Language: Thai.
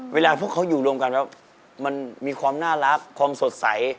เวลาพวกเขาอยู่รวมกันแล้วมันมีความน่ารักความสดใส